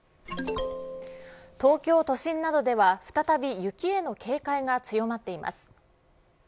東京都心などでは、再び雪への警戒が強まっています。